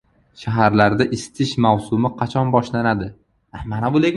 Shaharlarda isitish mavsumi qachon boshlanadi?